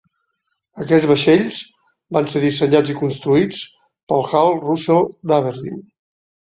Aquests vaixells van ser dissenyats i construïts pel Hall Russell d'Aberdeen.